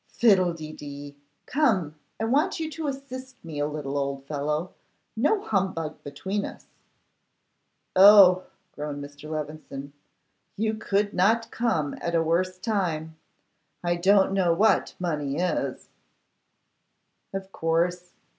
'Fiddlededee! Come! I want you to assist me a little, old fellow. No humbug between us.' 'Oh!' groaned Mr. Levison, 'you could not come at a worse time; I don't know what money is.' 'Of course.